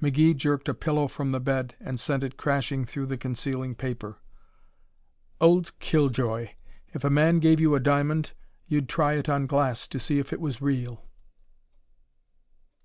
McGee jerked a pillow from the bed and sent it crashing through the concealing paper. "Old killjoy! If a man gave you a diamond you'd try it on glass to see if it was real."